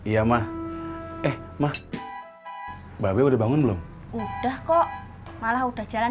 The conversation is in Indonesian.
ya kemana jalan